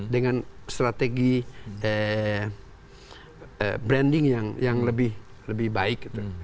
dengan strategi branding yang lebih baik